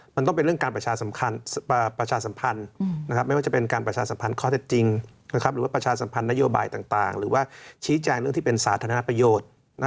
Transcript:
มันต้องเป็นเรื่องการประชาสัมพันธ์ไม่ว่าจะเป็นการประชาสัมพันธ์ข้อเท็จจริงหรือว่าประชาสัมพันธ์นโยบายต่างหรือว่าชี้แจงเรื่องที่เป็นสาธารณประโยชน์